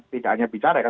tidak hanya bicara ya